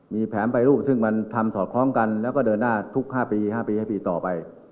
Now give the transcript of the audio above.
มีแผมไฟรูปซึ่งมันทำสอดคล้องกันและทุก๕ปีให้ปีต่อไป